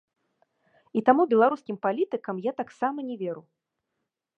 І таму беларускім палітыкам я таксама не веру.